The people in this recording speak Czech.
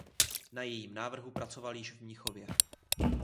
Na jejím návrhu pracoval již v Mnichově.